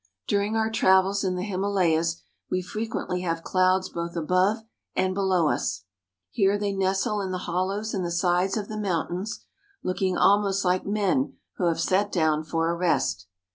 During our travels in the Himalayas we fre quently have clouds both above and below us. Here they nestle in the hollows in the sides of the mountains, looking almost like men who have sat down for a rest.